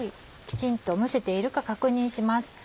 きちんと蒸せているか確認します。